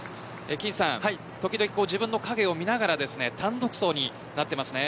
金さん、時々自分の影を見ながら単独走になっています。